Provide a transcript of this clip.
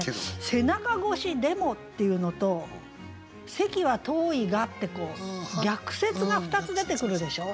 「背中越しでも」っていうのと「席は遠いが」って逆説が２つ出てくるでしょ。